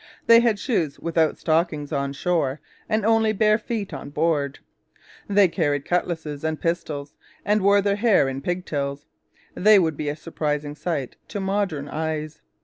They had shoes without stockings on shore, and only bare feet on board. They carried cutlasses and pistols, and wore their hair in pigtails. They would be a surprising sight to modern eyes.